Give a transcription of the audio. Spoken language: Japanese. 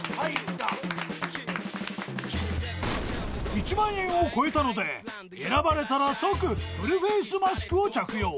［１万円を超えたので選ばれたら即フルフェースマスクを着用］